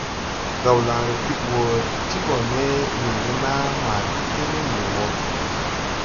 Gawlanre fid wɔ ti go ne weere naa ma ti tin wuu woo.